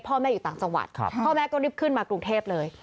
พ่อแม่อยู่ต่างจังหวัดพ่อแม่ก็รีบขึ้นมากรุงเทพเลย